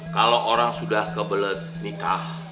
kalau orang sudah kebelet nikah